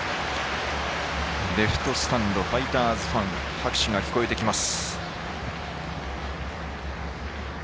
レフトスタンドファイターズファン拍手が聞こえてきます。